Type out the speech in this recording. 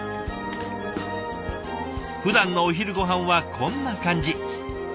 ふだんのお昼ごはんはこんな感じ。